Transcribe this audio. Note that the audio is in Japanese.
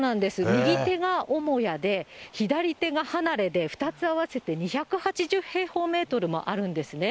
右手が母屋で、左手が離れで２つ合わせて２８０平方メートルもあるんですね。